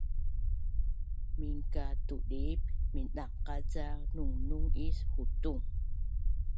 Mingkatudip mindangqac ca nungnung is hutung